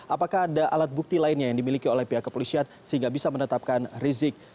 apakah ada alat bukti lainnya yang dimiliki oleh pihak kepolisian sehingga bisa menetapkan rizik